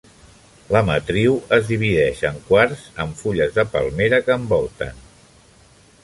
La matriu es divideix en quarts amb fulles de palmera que envolten.